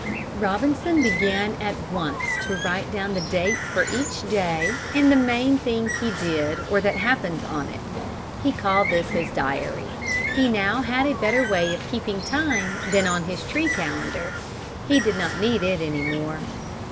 Robinson began at once to write down the date for each day and the main thing he did or that happened on it. He called this his diary. He had now a better way of keeping time than on his tree calendar. He did not need it any more.